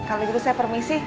kalau gitu saya permisi